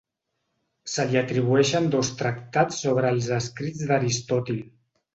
Se li atribueixen dos tractats sobre els escrits d'Aristòtil.